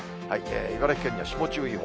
茨城県には霜注意報。